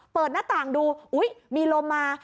เปิดหน้าต่างดูอุ๊ยมีลมมา